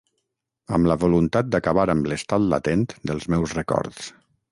Amb la voluntat d'acabar amb l'estat latent dels meus records.